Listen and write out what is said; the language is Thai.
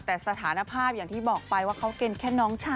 แต่สถานภาพอย่างที่บอกไปว่าเขาเป็นแค่น้องชาย